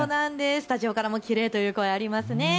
スタジオからもきれいという声、ありますね。